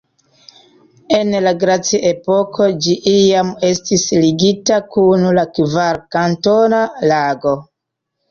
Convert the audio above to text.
En la glaciepoko ĝi iam estis ligita kun la Kvarkantona Lago.